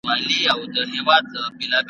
¬ غوټه چي په لاس خلاصېږي، غاښ ته حاجت نسته.